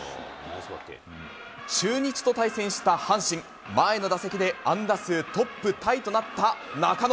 中日と対戦した阪神、前の打席で安打数トップタイとなった中野。